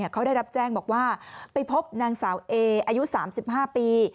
เขาได้รับแจ้งบอกว่าไปพบนางสาวเออายุ๓๕ปี